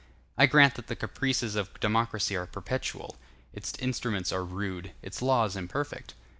I grant that the caprices of democracy are perpetual; its instruments are rude; its laws imperfect.